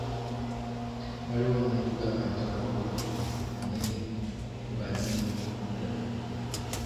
Waliwo omuwendo gw'abantu abakulu munene mu banoonyi b'obubuddamu.